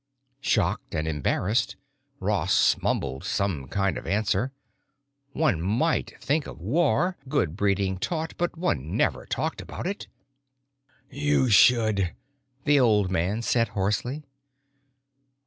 Shocked and embarrassed, Ross mumbled some kind of answer. One might think of war, good breeding taught, but one never talked about it. "You should," the old man said hoarsely.